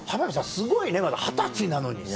すごいねまだ二十歳なのにさ。